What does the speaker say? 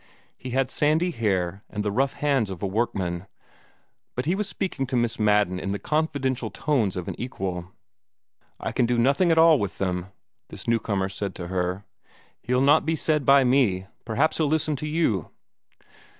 He had sandy hair and the rough hands of a workman; but he was speaking to Miss Madden in the confidential tones of an equal. "I can do nothing at all with him," this newcomer said to her. "He'll not be said by me. Perhaps he'd listen to you!"